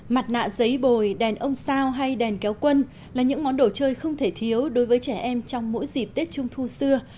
mặt nạ giấy bồi đèn ông sao hay đèn kéo quân là những món đồ chơi không thể thiếu đối với trẻ em trong mỗi dịp tết trung thu xưa